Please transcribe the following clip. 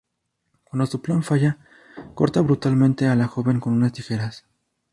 Cuando su plan falla corta brutalmente a la joven con unas tijeras.